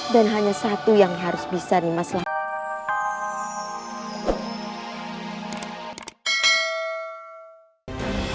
dan hanya satu yang harus bisa nimas lakukan